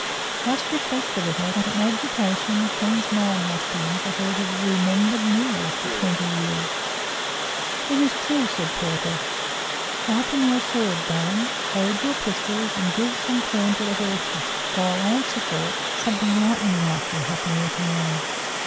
Just reflect a little what an agitation the queen's mind must be in for her to have remembered me after twenty years." "It is true," said Porthos. "Sharpen your sword, baron, load your pistols, and give some corn to the horses, for I will answer for it, something lightning like will happen ere to morrow."